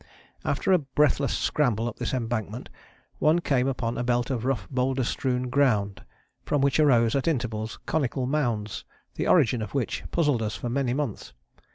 After a breathless scramble up this embankment one came upon a belt of rough boulder strewn ground from which arose at intervals conical mounds, the origin of which puzzled us for many months.